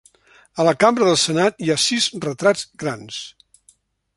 A la cambra del Senat hi ha sis retrats grans.